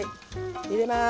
入れます。